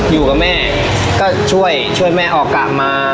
อยู่กับแม่ก็ช่วยช่วยแม่ออกกลับมา